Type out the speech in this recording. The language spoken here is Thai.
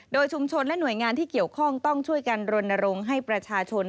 โดยชุมชนและหน่วยงานที่เกี่ยวข้องต้องช่วยกันรณรงค์ให้ประชาชน